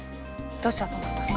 どっちだと思いますか？